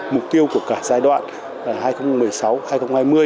mục tiêu của cả giai đoạn